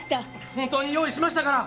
本当に用意しましたから。